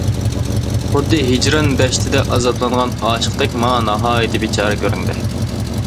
خۇددى ھىجران دەشتىدە ئازابلانغان ئاشىقتەك ماڭا ناھايىتى بىچارە كۆرۈندى.